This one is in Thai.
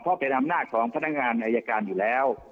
เพราะเป็นอำนาจของพนักงานอายการอยู่แล้ว